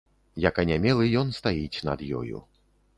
Як анямелы, ён стаіць над ёю.